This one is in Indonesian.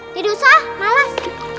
tidak usah malas